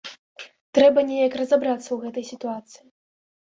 Трэба неяк разабрацца ў гэтай сітуацыі.